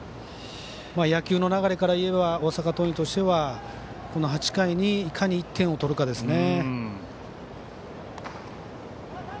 野球の流れからいえば大阪桐蔭としてはこの８回にいかに１点を取るかですね。